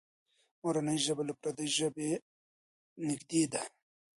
مورنۍ ژبه له پردۍ ژبې نږدې ده.